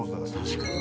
確かに。